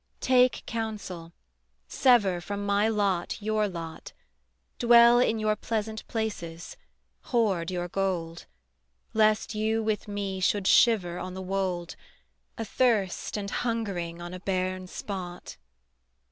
Take counsel, sever from my lot your lot, Dwell in your pleasant places, hoard your gold; Lest you with me should shiver on the wold, Athirst and hungering on a barren spot.